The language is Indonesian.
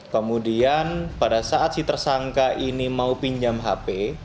kemudian pada saat si tersangka ini mau pinjam hp